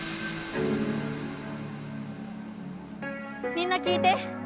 みんな聞いて！